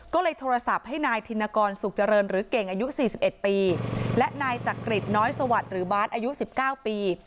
ก็เลยโทรศัพท์ให้นายธินกรสุขเจริญหรือเก่งอายุ๔๑ปีและนายจักริตน้อยสวัสดิ์หรือบาสอายุ๑๙ปี